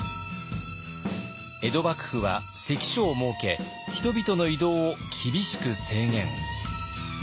江戸幕府は関所を設け人々の移動を厳しく制限。